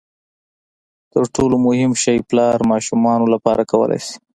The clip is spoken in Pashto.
تر ټولو مهم شی پلار ماشومانو لپاره کولای شي.